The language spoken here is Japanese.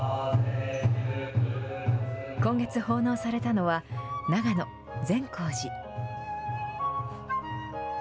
今月奉納されたのは、長野・善光寺。